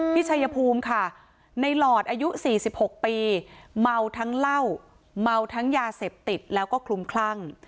ชัยภูมิค่ะในหลอดอายุ๔๖ปีเมาทั้งเหล้าเมาทั้งยาเสพติดแล้วก็คลุมคลั่ง